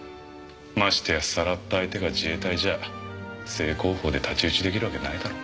ましてやさらった相手が自衛隊じゃ正攻法で太刀打ちできるわけないだろ。